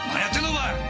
お前。